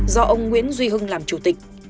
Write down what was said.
do ông nguyễn duy hưng làm chủ tịch